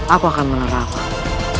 aku akan menerawang